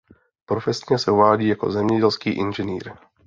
Profesně se uvádí jako zemědělský inženýr.